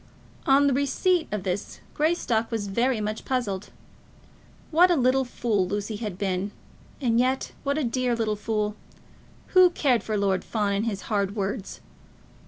On receipt of this, Greystock was very much puzzled. What a little fool Lucy had been, and yet what a dear little fool! Who cared for Lord Fawn and his hard words?